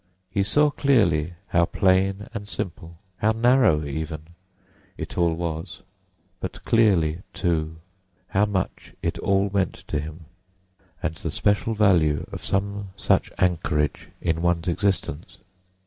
He saw clearly how plain and simple—how narrow, even—it all was; but clearly, too, how much it all meant to him, and the special value of some such anchorage in one's existence.